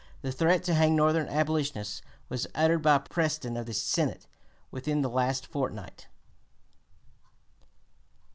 The threat to hang Northern abolitionists was uttered by Preston of the Senate within the last fortnight."